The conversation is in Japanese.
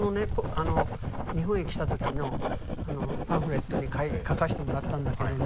あの日本へ来た時のパンフレットに書かしてもらったんだけどね